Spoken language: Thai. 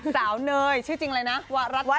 สาวเนยชื่อจริงอะไรนะวารัฐา